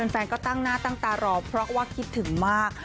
แฟนก็ตั้งหน้าตั้งตารอเพราะว่าคิดถึงมาก